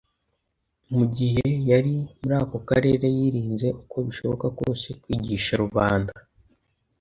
Mu gihe yari muri ako karere yirinze uko bishoboka kose kwigisha rubanda